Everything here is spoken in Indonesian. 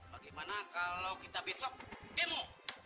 bagaimana kalau kita besok demo